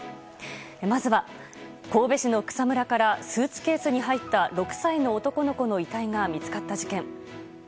まずは、神戸市の草むらからスーツケースに入った６歳の男の子の遺体が見つかった事件。